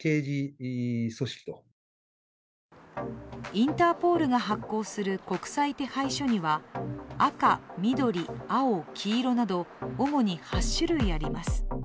インターポールが発行する国際手配書には赤、緑、青、黄色など主に８種類あります。